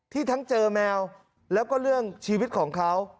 ทั้งเจอแมวแล้วก็เรื่องชีวิตของเขา